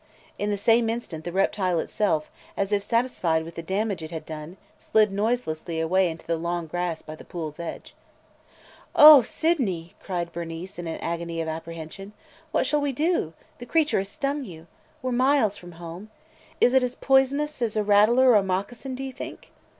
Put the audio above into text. In the same instant, the reptile itself, as if satisfied with the damage it had done, slid noiselessly away into the long grass by the pool's edge. "O Sydney!" cried Bernice in an agony of apprehension. "What shall we do? The creature has stung you. We 're miles from home or a doctor! Is it as poisonous as a rattler or a moccasin, do you think?"